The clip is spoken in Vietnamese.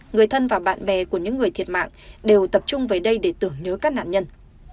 người thân và bạn bè của những người thiệt mạng đều tập trung về đây để tưởng nhớ các nạn nhân